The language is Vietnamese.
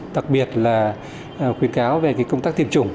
đặc biệt là khuyến cáo về công tác tiêm chủng